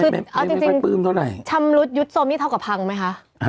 เอาจริงชำรุดยุทธ์โซมนี่เท่ากับพังไหมคะ